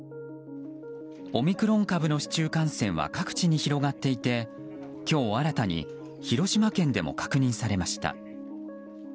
オミクロン株の市中感染は各地に広がっていて今日新たに広島県でも確認されました。